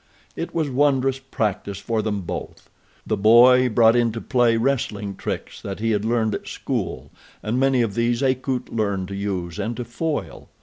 It was wondrous practice for them both. The boy brought into play wrestling tricks that he had learned at school, and many of these Akut learned to use and to foil.